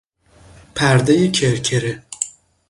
پردهی کرکره